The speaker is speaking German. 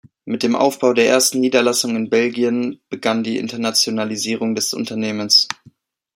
Mit dem Aufbau der ersten Niederlassung in Belgien begann die Internationalisierung des Unternehmens.